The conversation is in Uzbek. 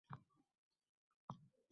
Oying yaxshimi Afruza kizim. Adang.